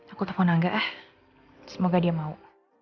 aku telepon angga eh semoga dia mau